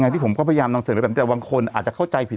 ที่ผมก็พยายามต้องเสริมแต่วางคนอาจจะเข้าใจผิด